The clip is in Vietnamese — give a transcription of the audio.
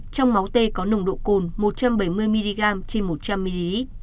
trong máu tê có nồng độ cồn một trăm bảy mươi mg trên một trăm linh ml